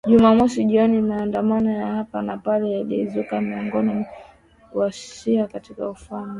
Jumamosi jioni maandamano ya hapa na pale yalizuka miongoni mwa wa-shia katika ufalme